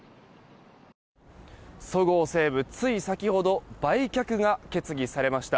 そごう・西武つい先ほど売却が決議されました。